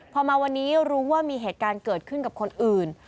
พอมาวันนี้รู้ว่ามีเหตุการณ์เกิดขึ้นกับคนอื่น